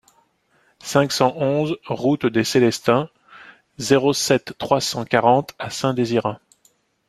cinq cent onze route des Célestins, zéro sept, trois cent quarante à Saint-Désirat